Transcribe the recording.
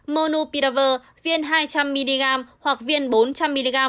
monopidavir viên hai trăm linh mg hoặc viên bốn trăm linh mg uống